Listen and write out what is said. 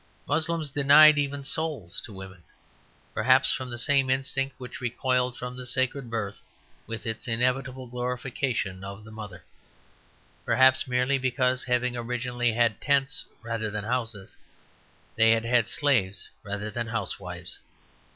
Moslems denied even souls to women; perhaps from the same instinct which recoiled from the sacred birth, with its inevitable glorification of the mother; perhaps merely because, having originally had tents rather than houses, they had slaves rather than housewives.